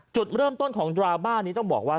จุดเริ่มต้นของดราม่านี้ต้องบอกว่า